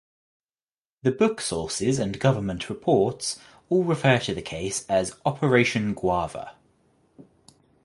The book sources and government reports all refer to the case as "Operation Guava".